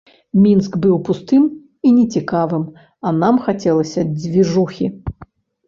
Мінск быў пустым і нецікавым, а нам хацелася дзвіжухі.